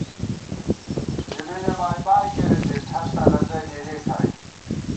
دِمېنےبائیبائی کېری دِت، ہست الَنزَئی دېرِئےکھائی